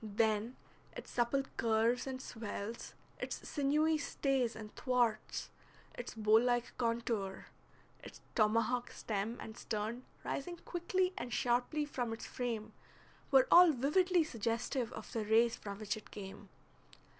Then its supple curves and swells, its sinewy stays and thwarts, its bow like contour, its tomahawk stem and stern rising quickly and sharply from its frame, were all vividly suggestive of the race from which it came.